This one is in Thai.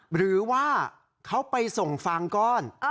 หรือว่าเขาไปส่งฟางก้อน